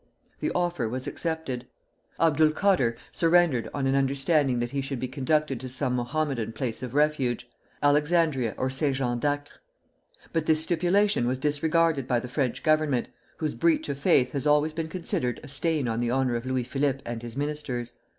The offer was accepted. Abdul Kader surrendered on an understanding that he should be conducted to some Mohammedan place of refuge, Alexandria or St. Jean d'Acre. But this stipulation was disregarded by the French Government, whose breach of faith has always been considered a stain on the honor of Louis Philippe and his ministers.